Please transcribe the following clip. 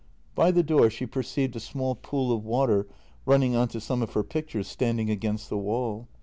By the door she perceived a small pool of water running on to some of her pictures standing against the wall.